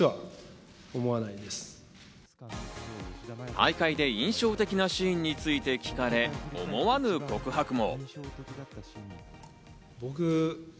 大会で印象的なシーンについて聞かれ、思わぬ告白も。